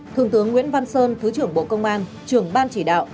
thượng tướng nguyễn văn sơn thứ trưởng bộ công an trưởng ban chỉ đạo